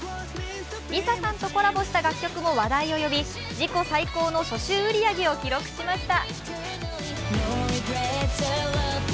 ＬｉＳＡさんとコラボした楽曲も話題を呼び自己最高の初週売り上げを記録しました。